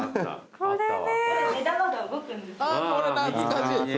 これ目玉が動くんですよ。